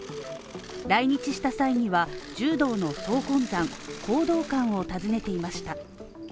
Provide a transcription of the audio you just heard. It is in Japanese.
来日した際には、柔道の総本山、講道館を訪ねていました。